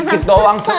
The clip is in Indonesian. dikit doang seujuh